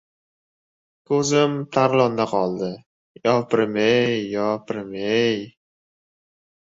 Ko‘zim Tarlonda qoldi! Yo, pirim-yey, yo, pirim-yey!